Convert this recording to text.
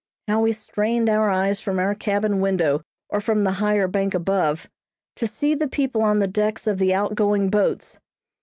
How we strained our eyes from our cabin window or from the higher bank above, to see the people on the decks of the out going boats.